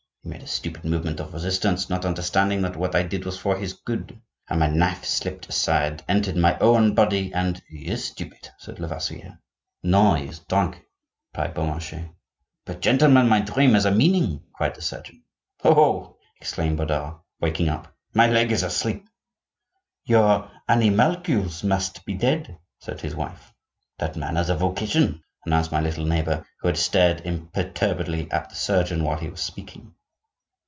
He made a sudden movement of resistance, not understanding that what I did was for his good, and my knife slipped aside, entered my own body, and—" "He is stupid," said Lavoisier. "No, he is drunk," replied Beaumarchais. "But, gentlemen, my dream has a meaning," cried the surgeon. "Oh! oh!" exclaimed Bodard, waking up; "my leg is asleep!" "Your animalcules must be dead," said his wife. "That man has a vocation," announced my little neighbor, who had stared imperturbably at the surgeon while he was speaking.